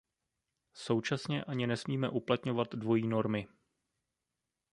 Současně ani nesmíme uplatňovat dvojí normy.